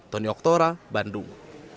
tony oktora bandung